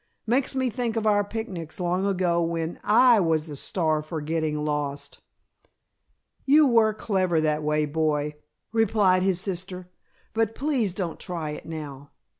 Makes me think of our picnics long ago when I was the star for getting lost." "You were clever that way, boy," replied his sister, "but please don't try it now."